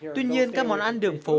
tuy nhiên các món ăn đường phố